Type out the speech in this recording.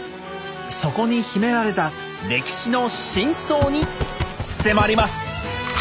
そこに秘められた歴史の真相に迫ります。